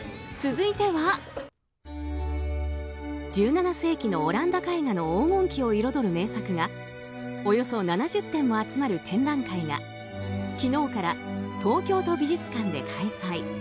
続いては１７世紀のオランダ絵画の黄金期を彩る名作がおよそ７０点も集まる展覧会が昨日から東京都美術館で開催。